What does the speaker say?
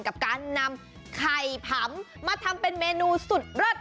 กับการนำไข่ผำมาทำเป็นเมนูสุดเลิศ